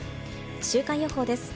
週間予報です。